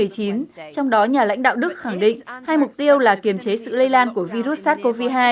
trong đó nhà lãnh đạo đức khẳng định hai mục tiêu là kiềm chế sự lây lan của virus sars cov hai